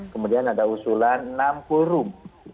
kemudian ada usulan enam full room